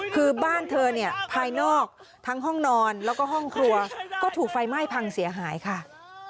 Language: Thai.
คือบ้านเธอเนี่ยภายนอกทั้งห้องนอนแล้วก็ห้องครัวก็ถูกไฟไหม้พังเสียหายค่ะ